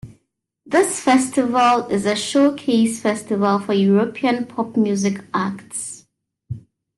This festival is a showcase festival for European pop music acts.